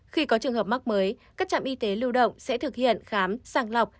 khi có trường hợp mắc mới các trạm y tế lưu động sẽ thực hiện khám sàng lọc